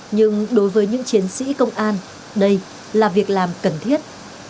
nhưng đối với những chiến sĩ công an đây là việc làm cần thiết